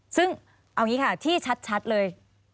ซึ่งเอาอย่างนี้ค่ะที่ชัดเลย